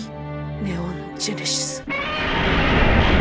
ネオンジェネシス。